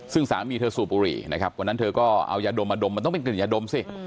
ซึ่งสามีเธอสูบบุหรี่นะครับวันนั้นเธอก็เอายาดมมาดมมันต้องเป็นกลิ่นยาดมสิ